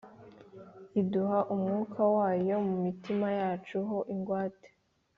iduha Umwuk wayo mu mitima yacu ho ingwate.